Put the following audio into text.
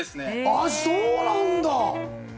あっ、そうなんだ！